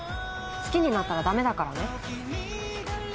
好きになったら駄目だからね。